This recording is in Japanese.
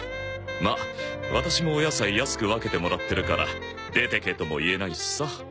まあワタシもお野菜安く分けてもらってるから出てけとも言えないしさ。